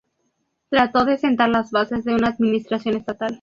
Trató de sentar las bases de una administración estatal.